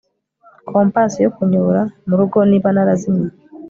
kompas yo kunyobora murugo niba narazimiye